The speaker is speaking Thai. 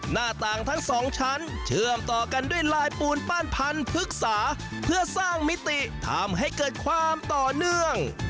หน้าต่างทั้งสองชั้นเชื่อมต่อกันด้วยลายปูนปั้นพันธึกษาเพื่อสร้างมิติทำให้เกิดความต่อเนื่อง